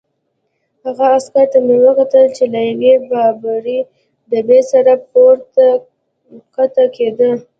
هغه عسکر ته مې کتل چې له یوې باربرې ډبې سره پورته کښته کېده.